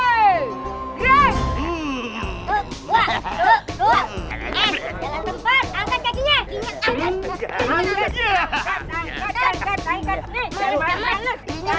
jalan tempat angkat kakinya